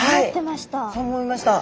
そう思いました。